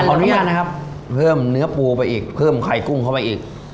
อนุญาตนะครับเพิ่มเนื้อปูไปอีกเพิ่มไข่กุ้งเข้ามาอีก